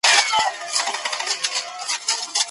استازي به د هېواد د وياړلي تاريخ ستاينه کوي.